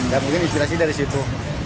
dan mungkin inspirasi dari situ